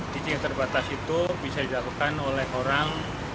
ketika terbatas itu bisa dilakukan oleh orang